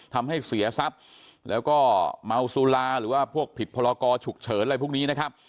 ทำให้เสียทรัพย์แล้วก็เมาสุราหรือว่าพวกผิดพรกรฉุกเฉินอะไรพวกนี้นะครับ